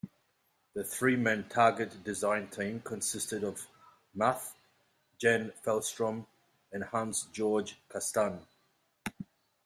The three-man Target Design team consisted of Muth, Jan Fellstrom and Hans-Georg Kasten.